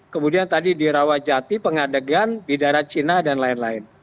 kemudian tadi di rawajati pengadegan bidara cina dan lain lain